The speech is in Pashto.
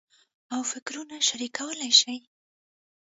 او فکرونه شریکولای شي.